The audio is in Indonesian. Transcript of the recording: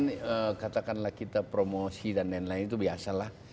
kemudian katakanlah kita promosi dan lain lain itu biasalah